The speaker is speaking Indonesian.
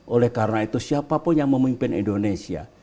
oleh karena itu siapa pun yang memimpin indonesia